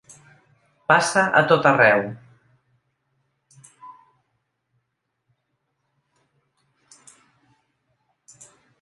Passa a tot arreu.